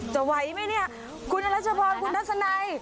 ไหวไหมเนี่ยคุณอรัชพรคุณทัศนัย